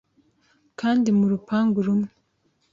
kandi mu rupangu rumwe.